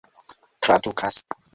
tradukas